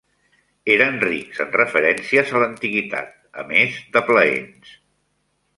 Eren rics en referències a l'antiguitat, a més de plaents.